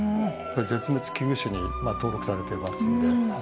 絶滅危惧種に登録されてますんで。